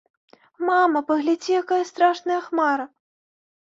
Мама, паглядзі, якая страшная хмара!